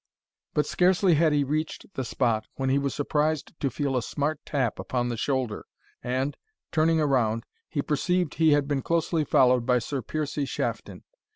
But scarcely had he reached the spot, when he was surprised to feel a smart tap upon the shoulder, and, turning around, he perceived he had been closely followed by Sir Piercie Shafton.